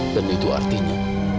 dan itu artinya